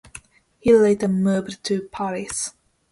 He later moved to Paris.